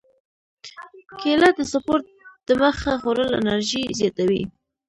کېله د سپورت دمخه خوړل انرژي زیاتوي.